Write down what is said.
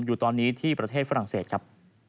อยู่ตอนนี้ที่ประเทศฝรั่งเศสครับ